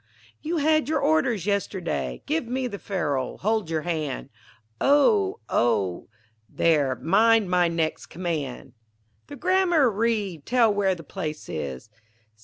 You had your orders yesterday. Give me the ferule, hold your hand. Oh! Oh! There, mind my next command. The grammar read. Tell where the place is.